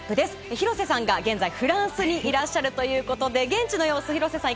廣瀬さんが現在、フランスにいらっしゃるということで現地の様子、廣瀬さん